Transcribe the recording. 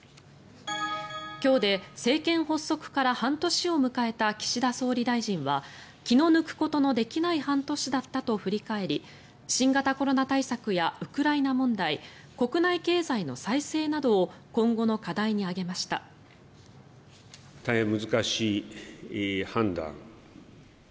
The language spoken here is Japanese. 今日で政権発足から半年を迎えた岸田総理大臣は気の抜くことのできない半年だったと振り返り新型コロナ対策やウクライナ問題国内経済の再生などを今後の課題に挙げました。